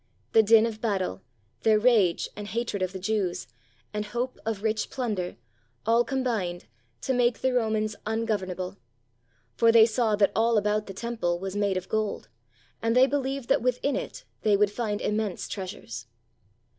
The din of bat tle, their rage, and hatred of the Jews, and hope of rich plunder, all combined to make the Romans ungovern able. For they saw that all about the Temple was made of gold, and they believed that within it they would find immense treasures.